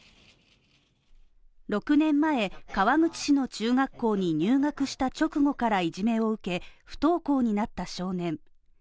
６年前川口市の中学校に入学した直後からいじめを受け不登校になった少年